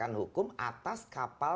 dari bapak bapak